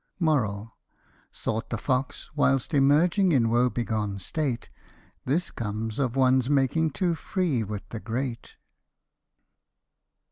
Thought the fox, whilst emerging in woe begone state, *' This comes of one's making too free with the great."